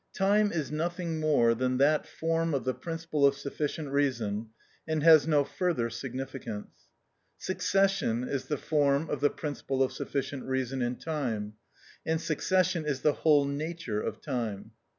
Time is nothing more than that form of the principle of sufficient reason, and has no further significance. Succession is the form of the principle of sufficient reason in time, and succession is the whole nature of time.